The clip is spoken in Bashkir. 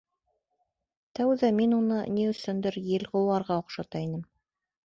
Тәүҙә мин уны, ни өсөндөр, елғыуарға оҡшата инем.